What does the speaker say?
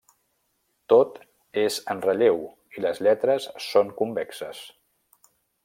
Tot és en relleu, i les lletres són convexes.